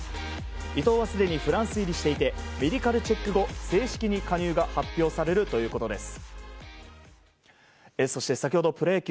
伊東はすでにフランス入りしていてメディカルチェック後正式に加入が発表されるということです。